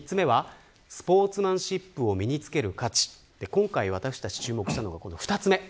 今回、私たちが注目したのは２つ目